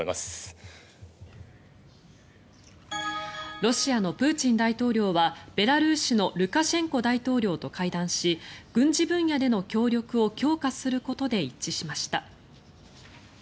ロシアのプーチン大統領はベラルーシのルカシェンコ大統領と会談し軍事分野での協力を強化することで一致しました。